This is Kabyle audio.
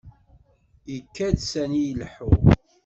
Ikad sani leḥḥuɣ.